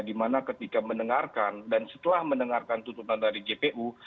dimana ketika mendengarkan dan setelah mendengarkan tuntutan dari jpu